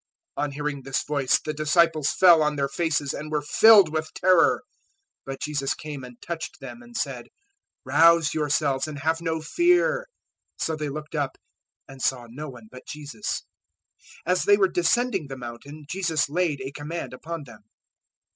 017:006 On hearing this voice, the disciples fell on their faces and were filled with terror. 017:007 But Jesus came and touched them, and said, "Rouse yourselves and have no fear." 017:008 So they looked up, and saw no one but Jesus. 017:009 As they were descending the mountain, Jesus laid a command upon them.